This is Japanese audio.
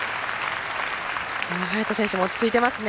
早田選手も落ち着いていますね。